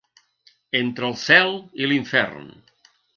Entre el cel i l’infern.